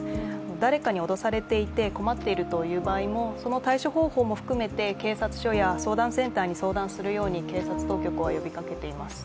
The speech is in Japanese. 誰かに脅されていて困っているという場合も、その対処方法も含めて警察署や相談センターに相談するように警察当局は呼びかけています。